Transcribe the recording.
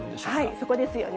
そこですよね。